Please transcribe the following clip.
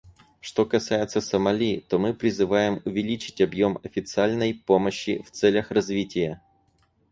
Что касается Сомали, то мы призываем увеличить объем официальной помощи в целях развития.